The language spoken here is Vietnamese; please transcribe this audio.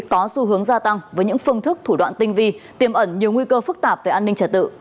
có xu hướng gia tăng với những phương thức thủ đoạn tinh vi tiềm ẩn nhiều nguy cơ phức tạp về an ninh trật tự